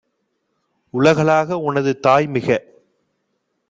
உலகாளஉ னதுதாய்மிக